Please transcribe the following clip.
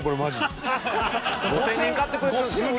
５０００人買ってくれてるんですよ。